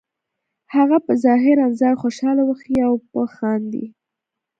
هغه به ظاهراً ځان خوشحاله وښیې او وبه خاندي